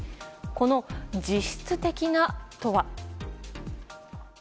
この実質的なとは。